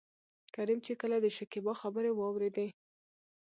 کريم چې کله دشکيبا خبرې واورېدې.